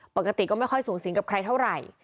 ปกติก็ไม่ค่อยสูงสิงกับใครเท่าไหร่